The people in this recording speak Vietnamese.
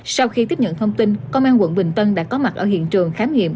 sau khi tiếp nhận thông tin công an quận bình tân đã có mặt ở hiện trường khám nghiệm